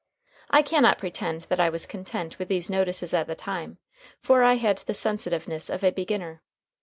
I cannot pretend that I was content with these notices at the time, for I had the sensitiveness of a beginner.